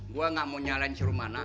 gue gak mau nyalain si rumana